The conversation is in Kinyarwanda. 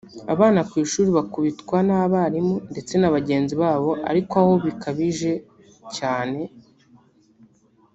abana ku ishuri bakubitwa n’abarimu ndetse na bagenzi babo ariko aho bikabije cyane